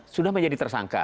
sudah menjadi tersangka